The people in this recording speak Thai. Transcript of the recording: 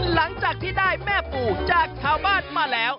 หลังจากที่ได้แม่ปู่จากชาวบ้านมาแล้ว